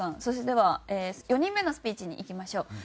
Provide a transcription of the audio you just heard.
そしてでは４人目のスピーチにいきましょう。